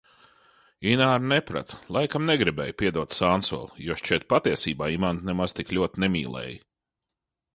Ināra neprata, laikam negribēja piedot sānsoli, jo šķiet patiesībā Imantu nemaz tik ļoti nemīlēja.